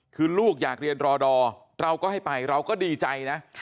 คือลูกอยากเรียนรอดอเราก็ให้ไปเราก็ดีใจนะ